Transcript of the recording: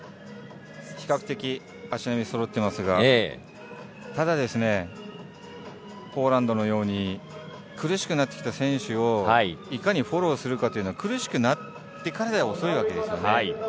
比較的足並みそろっていますがただ、ポーランドのように苦しくなってきた選手をいかにフォローするかは苦しくなってからでは遅いわけですよね。